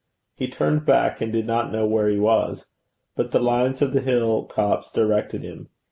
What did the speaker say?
He turned back, and did not know where he was. But the lines of the hill tops directed him.